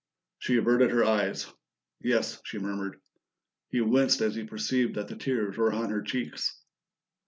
She averted her eyes. "Yes," she murmured. He winced as he perceived that the tears were on her cheeks.